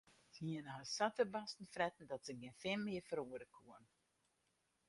Se hiene har sa te barsten fretten dat se gjin fin mear ferroere koene.